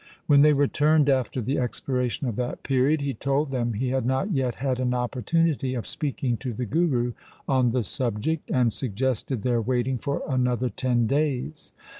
When they returned after the expiration of that period, he told them he had not yet had an opportunity of speaking to the Guru on the subject, and suggested their waiting for another ten days.